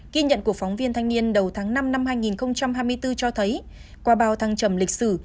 ghi nhận của phóng viên thanh niên đầu tháng năm năm hai nghìn hai mươi bốn cho thấy qua bao thăng trầm lịch sử